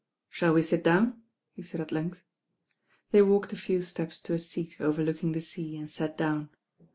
"Shall we sit down?" he said at length. They walked a few steps to a seat overlooking the sea and sat down.